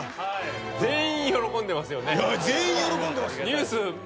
全員喜んでます。